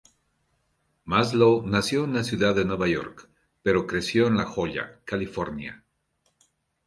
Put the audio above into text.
Maslow nació en la ciudad de Nueva York, pero creció en La Jolla, California.